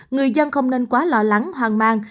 người dân không nên quá lo lắng hoang mang